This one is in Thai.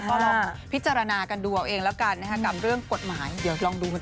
ก็ลองพิจารณากันดูเอาเองแล้วกันนะครับกับเรื่องกฎหมายเดี๋ยวลองดูกัน